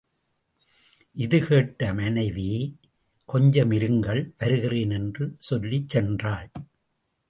இது கேட்ட மனைவி, கொஞ்சம் இருங்கள் வருகிறேன் என்று சொல்லிச் சென்றாள்.